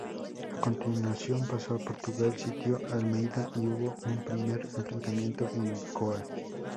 A continuación pasó a Portugal, sitió Almeida y hubo un primer enfrentamiento en Coa.